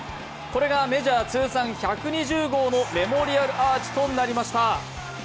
これがメジャー通算１２０号のメモリアルアーチとなりました。